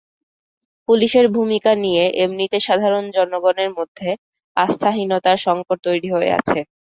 পুলিশের ভূমিকা নিয়ে এমনিতে সাধারণ জনগণের মধ্যে আস্থাহীনতার সংকট তৈরি হয়ে আছে।